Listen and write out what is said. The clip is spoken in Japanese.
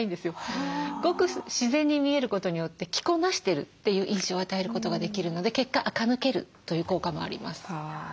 ごく自然に見えることによって着こなしてるという印象を与えることができるので結果あか抜けるという効果もあります。